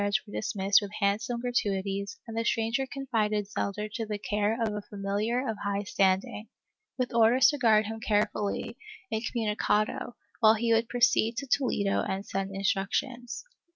XVI] PERSONATION OF OFFICIALS 347 were dismissed with handsome gratuities and the stranger confided Xelder to the care of a faniihar of high standing, with orders to guard him carefully, incomunicado , while he would proceed to Toledo and send instructions.